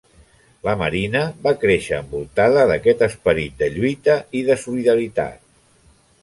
La Marina va créixer envoltada d'aquest esperit de lluita i de solidaritat.